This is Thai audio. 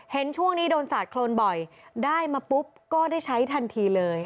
เห็นช่วงนี้โดนสาดโครนบ่อยได้มาปุ๊บก็ได้ใช้ทันทีเลย